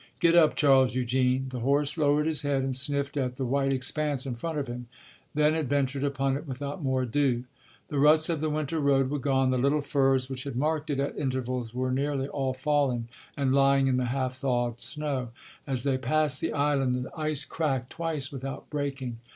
Get up, Charles Eugene." The horse lowered his head and sniffed at the white expanse in front of him, then adventured upon it without more ado. The ruts of the winter road were gone, the little firs which had marked it at intervals were nearly all fallen and lying in the half thawed snow; as they passed the island the ice cracked twice without breaking.